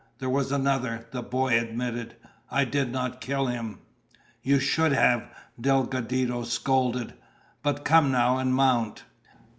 "There was another," the boy admitted. "I did not kill him." "You should have," Delgadito scolded. "But come now and mount."